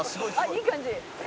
「いい感じ！」